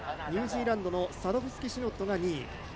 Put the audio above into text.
ニュージーランドのサドフスキシノットが２位。